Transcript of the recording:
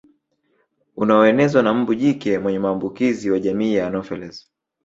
Unaoenezwa na mbu jike mwenye maambukizo wa jamii ya anopheles